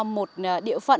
một địa phương